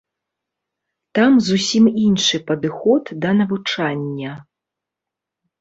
Там зусім іншы падыход да навучання.